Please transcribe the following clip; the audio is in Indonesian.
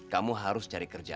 kamu harus cari kerjaan